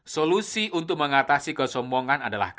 solusi untuk mengatasi kesompongan adalah kasih